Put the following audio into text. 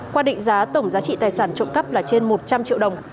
qua định giá tổng giá trị tài sản trộm cắp là trên một trăm linh triệu đồng